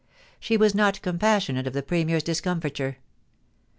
She was not com passionate of the Premier's discomfiture.